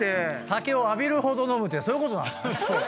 酒を浴びるほど飲むってそういうことなのかもね。